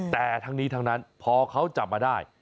แต่ทั้งนี้ทั้งนั้นพอเขาจับมาได้